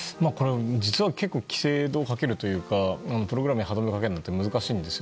実は結構、規制をどうかけるかというかプログラムに歯止めをかけるのは難しいんです。